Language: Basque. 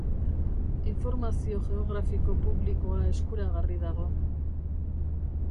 Informazio geografiko publikoa eskuragarri dago.